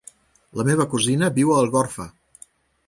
La meva cosina viu a Algorfa.